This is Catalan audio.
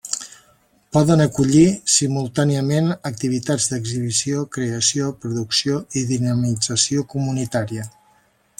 Poden acollir simultàniament activitats d'exhibició, creació, producció i dinamització comunitària.